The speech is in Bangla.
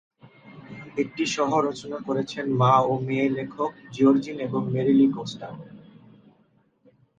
এটি সহ-রচনা করেছেন মা ও মেয়ে লেখক জিওরজিন এবং মেরি লি কোস্টা।